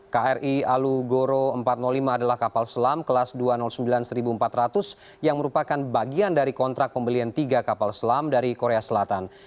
kri alugoro empat ratus lima adalah kapal selam kelas dua ratus sembilan seribu empat ratus yang merupakan bagian dari kontrak pembelian tiga kapal selam dari korea selatan